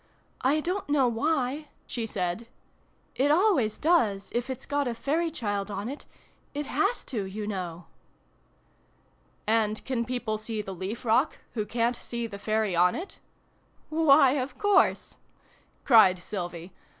" I don't know why I' she said. "It always does, if it's got a fairy child on it. It has to, you know." " And can people see the leaf rock, who ca'n't see the Fairy on it ?"" Why, of course !" cried Sylvie.